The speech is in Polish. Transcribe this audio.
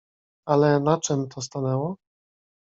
"Ale na czem to stanęło?"